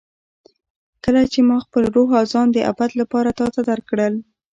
کله چې ما خپل روح او ځان د ابد لپاره تا ته درکړل.